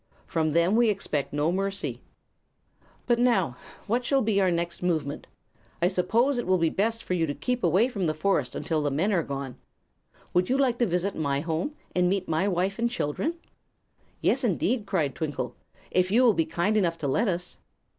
From them we expect no mercy. But now, what shall be our next movement? I suppose it will be best for you to keep away from the forest until the men are gone. Would you like to visit my home, and meet my wife and children?" "Yes, indeed!" cried Twinkle; "if you will be kind enough to let us."